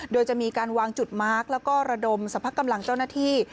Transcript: โดยจะมีการวางจุดมาร์คแล้วก็ระดมสรรพกำลังเจ้าหน้าที่